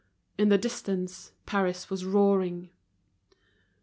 In the distance, Paris was roaring.